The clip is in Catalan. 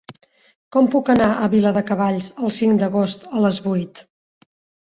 Com puc anar a Viladecavalls el cinc d'agost a les vuit?